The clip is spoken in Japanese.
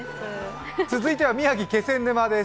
続いては宮城・気仙沼です。